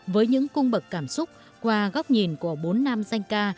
với những cung bậc cảm xúc qua góc nhìn của bốn nam danh ca